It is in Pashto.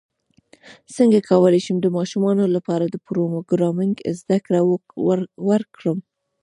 څنګه کولی شم د ماشومانو لپاره د پروګرامینګ زدکړه ورکړم